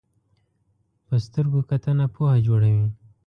په سترګو کتنه پوهه جوړوي